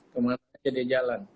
kemana saja dia jalan